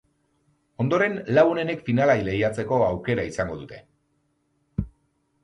Ondoren, lau onenek finala lehiatzeko aukera izango dute.